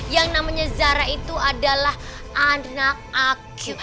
yang namanya zara itu adalah anak aku